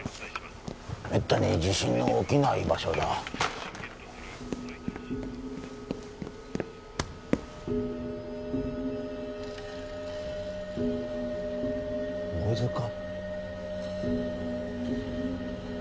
ああめったに地震の起きない場所だノイズか？